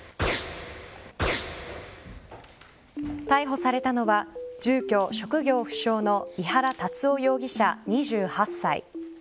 逮捕されたのは住居、職業不詳の井原龍夫容疑者、２８歳。